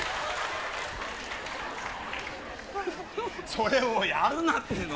それをやるなっての。